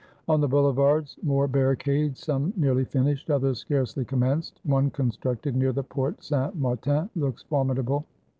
On the Boulevards more barricades; some nearly finished, others scarcely commenced. One constructed near the Porte Saint Martin looks formidable.